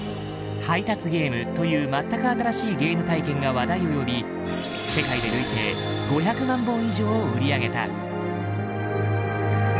「配達ゲーム」という全く新しいゲーム体験が話題を呼び世界で累計５００万本以上を売り上げた。